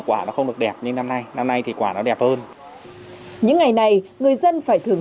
quả nó không được đẹp nhưng năm nay năm nay thì quả nó đẹp hơn những ngày này người dân phải thưởng